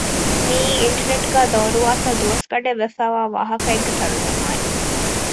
މިއީ އިންޓަނެޓުގައި ދައުރުވާތާ ދުވަސްގަނޑެއް ވެފައިވާ ވާހަކައެކެއްގެ ތަރުޖަމާއެއް